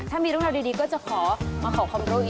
ถ้ามีรุ่นเราดีก็จะขอมาขอขอมธุลอีกนะครับ